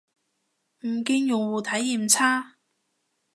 唔見用戶體驗差